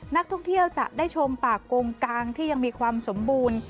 นักท่องเที่ยวจะได้ชมป่ากงกางที่ยังมีความสมบูรณ์